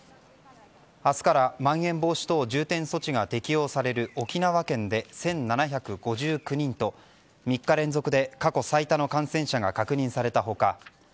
明日からまん延防止等重点措置が適用される沖縄県で１７５９人と３日連続で過去最多の感染者が確認された他